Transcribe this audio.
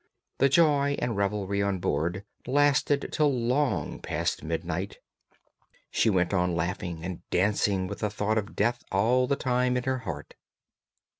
The joy and revelry on board lasted till long past midnight; she went on laughing and dancing with the thought of death all the time in her heart.